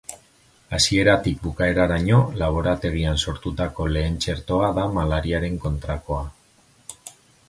Hasieratik bukaeraraino laborategian sortutako lehen txertoa da malariaren kontrakoa.